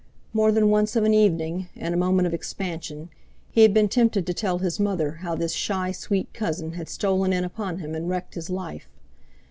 More than once of an evening, in a moment of expansion, he had been tempted to tell his mother how this shy sweet cousin had stolen in upon him and wrecked his "life."